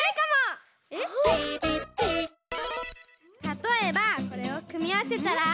たとえばこれをくみあわせたら。